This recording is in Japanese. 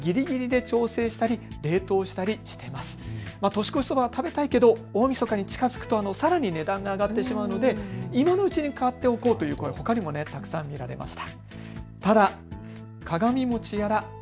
年越しそば、食べたいけど大みそかに近づくとさらに値段が上がってしまうので今のうちに買っておこうという声はほかにもたくさん見られました。